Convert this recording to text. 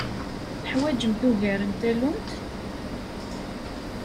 Teḥwajemt ugar n tallunt?